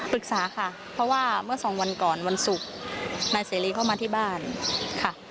ปรึกษาค่ะเพราะว่าเมื่อสองวันก่อนวันศุกร์นายเสรีเข้ามาที่บ้านค่ะ